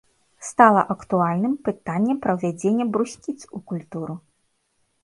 Стала актуальным пытанне пра ўвядзенне брусніц у культуру.